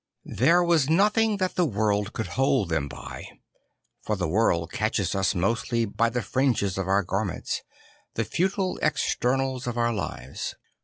There was nothing that the world could hold them by; for the world catches us mostly by the fringes of our garments, the futile externals of our lives.